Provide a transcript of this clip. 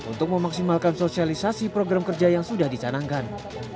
untuk memaksimalkan sosialisasi program kerja yang sudah dicanangkan